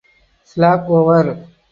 Slap ever!